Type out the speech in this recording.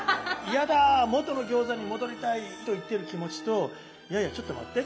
「嫌だもとの餃子に戻りたい！」と言ってる気持ちと「いやいやちょっと待って。